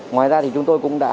ngoài ra thì chúng tôi cũng đã